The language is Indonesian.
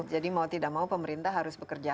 jadi mau tidak mau pemerintah harus bekerja